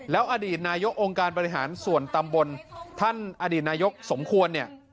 แล้วอดีตนายกองค์การบริหารส่วนตำบลท่านอดีตนายกสมควรเนี่ย